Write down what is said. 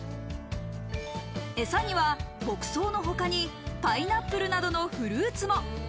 エサには牧草のほかにパイナップルなどのフルーツも。